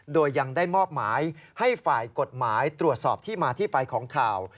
โดยยังได้มอบหมายให้ฝ่ายกฎหมายตรวจสอบที่มาที่ไปของข่าว